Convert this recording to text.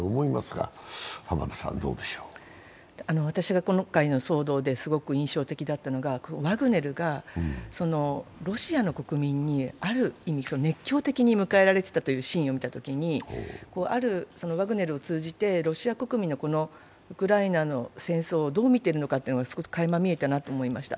私は今回の騒動ですごく印象的だったのが、ワグネルがロシアの国民に、ある意味、熱狂的に迎えられていたというシーンを見たときに、ワグネルを通じてロシア国民のウクライナの戦争をどう見ているのかがすごくかいま見えたなと思いました。